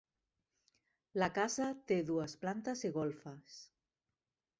La casa té dues plantes i golfes.